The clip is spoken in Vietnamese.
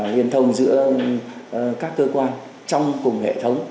liên thông giữa các cơ quan trong cùng hệ thống